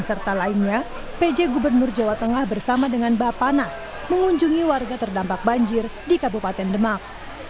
serta lainnya pj gubernur jawa tengah bersama dengan bapanas mengunjungi warga terdampak banjir di kabupaten demak